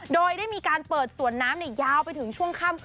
โดยได้มีการเปิดสวนน้ำยาวไปถึงช่วงค่ำ